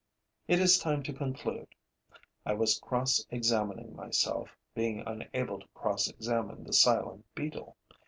It is time to conclude. I was cross examining myself, being unable to cross examine the silent Beetle.